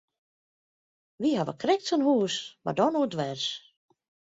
Wy hawwe krekt sa'n hús, mar dan oerdwers.